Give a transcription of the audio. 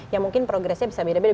ya mungkin progressnya bisa beda beda